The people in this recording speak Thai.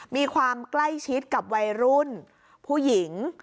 มีความใกล้ชิดกับวัยรุ่นผู้หญิง